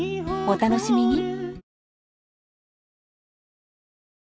お楽しみに！